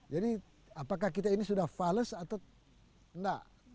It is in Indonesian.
jadi apakah kita ini sudah fales atau enggak